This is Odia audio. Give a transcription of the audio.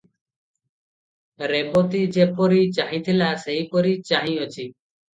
ରେବତୀ ଯେପରି ଚାହିଁଥିଲା, ସେହିପରି ଚାହିଁଅଛି ।